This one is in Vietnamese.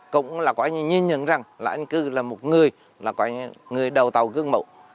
cũng là quả như nhìn nhận rằng là anh cư là một người là quả như người đầu tàu gương mẫu